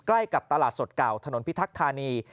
ใกล้กับตลาดสดเก่าถนนพิทักษณี